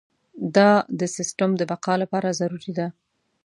دا د سیستم د بقا لپاره ضروري ده.